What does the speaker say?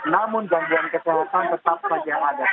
namun gangguan kesengatan tetap saja yang ada